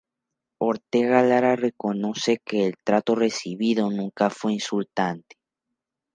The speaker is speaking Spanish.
Ortega Lara reconoce que el trato recibido nunca fue insultante.